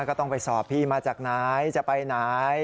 ก็ต้องไปสอบพี่มาจากไหนจะไปไหน